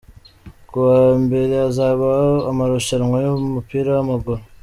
Kuwambere hazaba amarushanwa yumupira wa maguru